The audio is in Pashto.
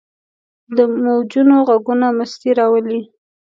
د موجونو ږغونه مستي راولي.